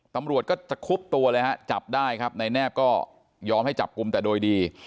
ตำรวจก็จะคุบตัวเลยฮะจับได้ครับนายแนบก็ยอมให้จับกลุ่มแต่โดยดี